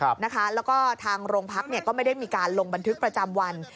แล้วก็ทางโรงพักก็ไม่ได้มีการลงบันทึกประจำวัน